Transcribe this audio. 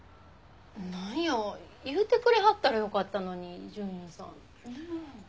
なんや言うてくれはったらよかったのに淳雄さん。